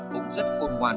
cũng rất khôn ngoan